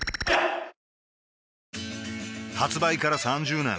発売から３０年